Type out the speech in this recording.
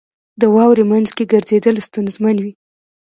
• د واورې مینځ کې ګرځېدل ستونزمن وي.